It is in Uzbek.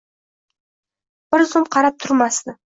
bir zum qarab turmasdi.